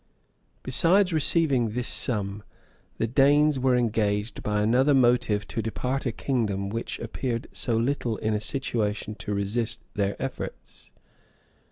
Besides receiving this sum, the Danes were engaged by another motive to depart a kingdom which appeared so little in a situation to resist their efforts.